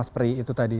mas pri itu tadi